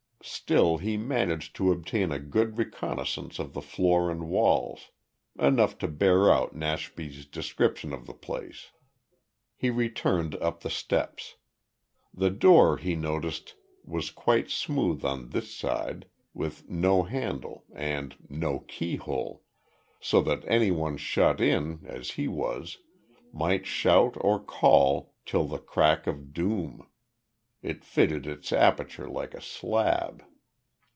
Still he managed to obtain a good reconnaissance of the floor and walls, enough to bear out Nashby's description of the place. He returned up the steps. The door, he noticed, was quite smooth on this side, with no handle, and no key hole; so that any one shut in, as he was, might shout or call till the crack of doom. It fitted its aperture like a slab.